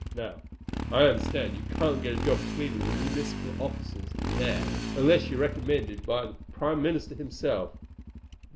Now, I understand, you can't get a job cleaning the municipal offices there unless you're recommended by the prime minister himself."